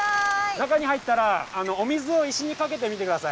中に入ったらお水を石にかけてみて下さい。